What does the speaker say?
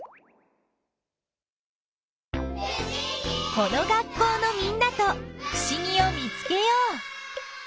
この学校のみんなとふしぎを見つけよう。